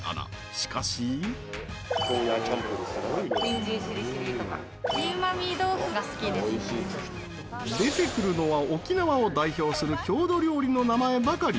しかし出てくるのは、沖縄を代表する郷土料理の名前ばかり！